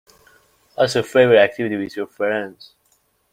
What is your favorite activity with your friends?